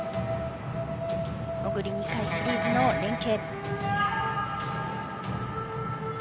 もぐり２回シリーズの連係。